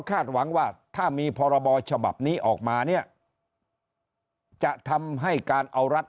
หวังว่าถ้ามีพรบฉบับนี้ออกมาเนี่ยจะทำให้การเอารัฐ